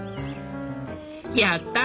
やった！